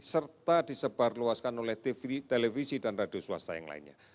serta disebarluaskan oleh televisi dan radio swasta yang lainnya